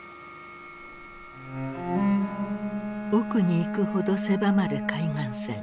奥に行くほど狭まる海岸線。